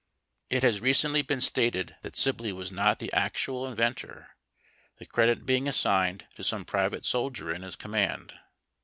It has recently been stated that Sibley was not the actual inventor, the credit being assigned to some private soldier in his command.